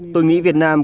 tôi nghĩ việt nam